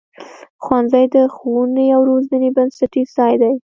ښوونځی د ښوونې او روزنې بنسټیز ځای دی.